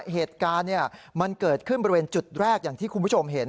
เหตุการณ์มันเกิดขึ้นบริเวณจุดแรกอย่างที่คุณผู้ชมเห็น